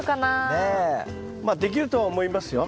まあできるとは思いますよ。